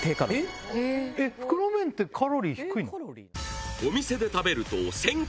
袋麺ってカロリー低いの？